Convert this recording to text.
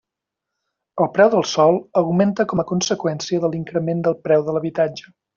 El preu del sòl augmenta com a conseqüència de l'increment del preu de l'habitatge.